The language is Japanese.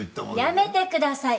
やめてください！